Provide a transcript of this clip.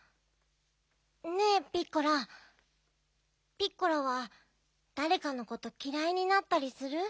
ピッコラはだれかのこときらいになったりする？